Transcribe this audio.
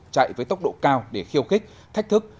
chạy với tốc độ cao để khiêu khích thách thức